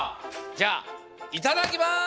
じゃあいただきます！